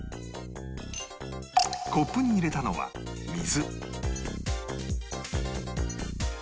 コップに入れたのは水